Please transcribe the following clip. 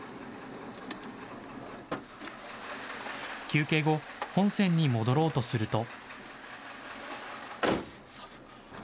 休憩後、本線に戻ろうとすると。